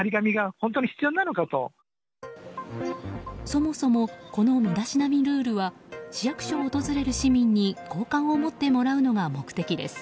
そもそもこの身だしなみルールは市役所を訪れる市民に好感を持ってもらうのが目的です。